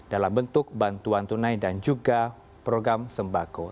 dalam bentuk bantuan tunai dan juga program sembako